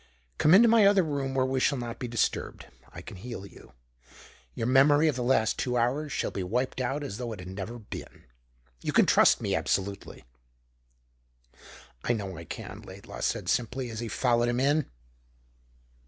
"Come into my other room where we shall not be disturbed. I can heal you. Your memory of the last two hours shall be wiped out as though it had never been. You can trust me absolutely." "I know I can," Laidlaw said simply, as he followed him in.